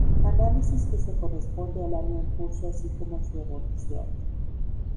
análisis que se corresponde al año en curso así como su evolución